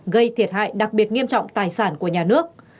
gây thiệt hại đặc biệt nghiêm trọng tài sản của nhà nước